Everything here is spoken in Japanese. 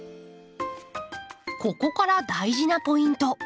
ここから大事なポイント。